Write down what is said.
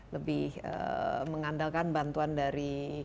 lebih mengandalkan bantuan dari